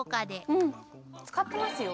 うん使ってますよ。